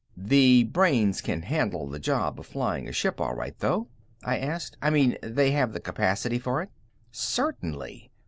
"The brains can handle the job of flying a ship all right, though?" I asked. "I mean, they have the capacity for it?" "Certainly.